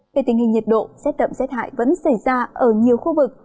về tình hình nhiệt độ z đậm z hại vẫn xảy ra ở nhiều khu vực